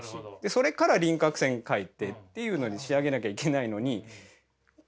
それから輪郭線描いてっていうのに仕上げなきゃいけないのに「紙描きました？」